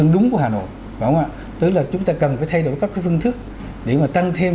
đúng của hà nội tức là chúng ta cần phải thay đổi các phương thức để mà tăng thêm